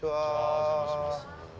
お邪魔します。